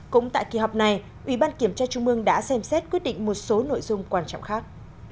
cũng tại kỳ họp này ủy ban kiểm tra trung mương đã xem xét quyết định một số nội dung quan trọng khác